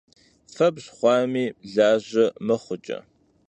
Febj xhuami, laje mıxhuç'e!